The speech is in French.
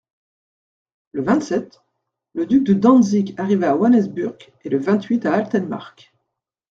Le vingt-sept, le duc de Dantzick arriva à Wanesburk et le vingt-huit à Altenmarck.